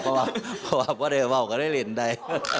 พออับว่าได้ว่าคือได้เรียนได้